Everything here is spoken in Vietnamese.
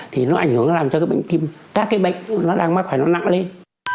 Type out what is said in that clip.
thì nó ảnh hưởng làm cho các cái bệnh tim các cái bệnh nó đang mắc phải nó nặng lên